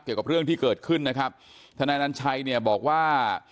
เกี่ยวกับเรื่องที่เกิดขึ้นนะครับทนายนัญชัยเนี่ยบอกว่า